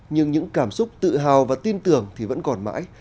nhưng những cảm xúc tự hào và tin tưởng thì vẫn còn mãi